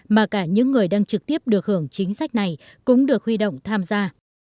mà cả những người đang trực tiếp được hưởng chính sách này cũng được huy động tham gia